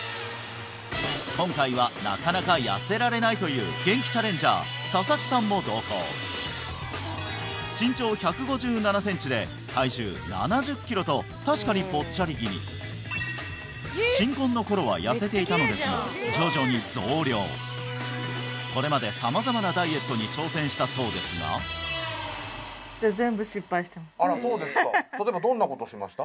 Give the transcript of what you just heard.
今回はなかなか痩せられないというゲンキチャレンジャー佐々木さんも同行身長１５７センチで体重７０キロと確かにぽっちゃり気味新婚の頃は痩せていたのですが徐々に増量これまで様々なダイエットに挑戦したそうですがあらそうですか例えばどんなことしました？